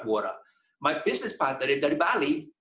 pada hal bisnis saya dari bali